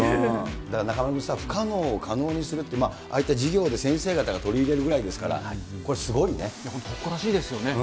だから中丸君さ不可能を可能にするって、ああいった授業で先生が取り入れるぐらいですから、誇らしいですよね。